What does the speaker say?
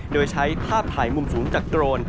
โดยใช้ภาพถ่ายมุมสูงจากโดรน